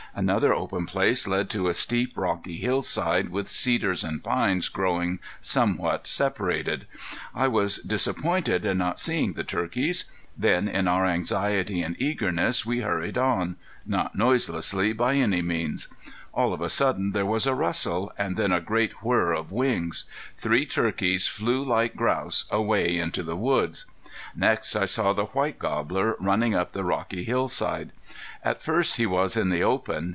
Another open place led to a steep, rocky hillside with cedars and pines growing somewhat separated. I was disappointed in not seeing the turkeys. Then in our anxiety and eagerness we hurried on, not noiselessly by any means. All of a sudden there was a rustle, and then a great whirr of wings. Three turkeys flew like grouse away into the woods. Next I saw the white gobbler running up the rocky hillside. At first he was in the open.